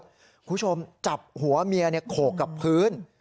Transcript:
คุณผู้ชมจับหัวเมียโขกกับพื้น